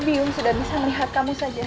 bingung sudah bisa melihat kamu saja